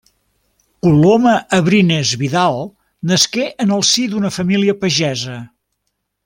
Coloma Abrines Vidal nasqué en el si d'una família pagesa.